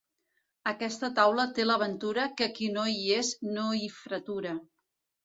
Aquesta taula té la ventura que qui no hi és no hi fretura.